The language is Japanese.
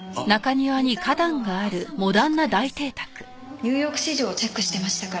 ニューヨーク市場をチェックしてましたから。